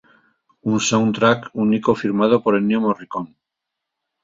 Un soundtrack único firmado por Ennio Morricone.